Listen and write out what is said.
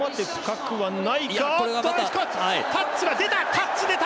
タッチ出た！